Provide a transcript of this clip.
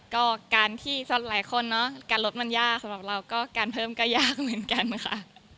ก็การที่หลายคนเนอะการลดมันยากสำหรับเราก็การเพิ่มก็ยากเหมือนกันค่ะ